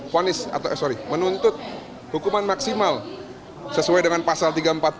fonis atau eh sorry menuntut hukuman maksimal sesuai dengan pasal tiga ratus empat puluh